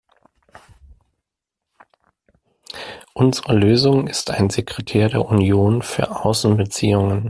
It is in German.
Unsere Lösung ist ein Sekretär der Union für Außenbeziehungen.